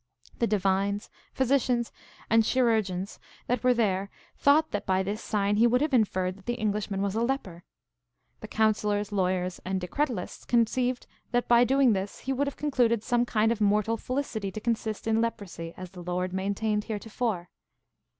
The divines, physicians, and chirurgeons that were there thought that by this sign he would have inferred that the Englishman was a leper. The counsellors, lawyers, and decretalists conceived that by doing this he would have concluded some kind of mortal felicity to consist in leprosy, as the Lord maintained heretofore.